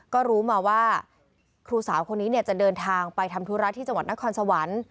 ก็รู้มาว่าครูสาวคนนี้จะเดินทางไปทำธุระที่จังหวัดนครสวรรค์